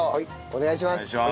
お願いします。